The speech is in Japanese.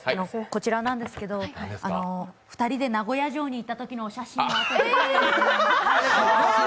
こちらなんですけど、２人で名古屋城に行ったときのお写真が。